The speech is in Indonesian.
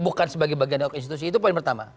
bukan sebagai bagian dari institusi itu poin pertama